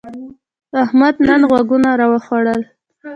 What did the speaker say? احمد نن غوږونه راوخوړل.